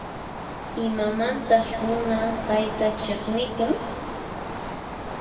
Imamantas runa payta chiqnikun?